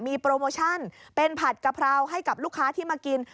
มีโปรโมชั่นเป็นผัดกะเพราให้กับลูกค้าที่มากิน